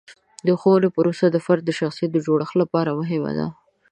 د ښوونې پروسه د فرد د شخصیت د جوړښت لپاره مهمه ده.